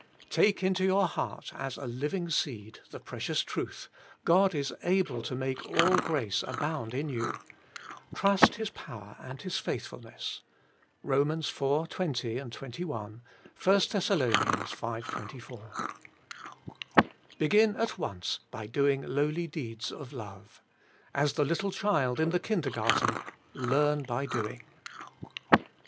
3. Take into your heart, as a living seed, the precious truth : God is able to make all grace abound in you. Trust His power and His faith fulness (Rom. iv. 20, 21 ; i Thess. v. 24). 4. Begin at once by doing lowly deeds of love. As the little child in the kindergarten. Learn by doing.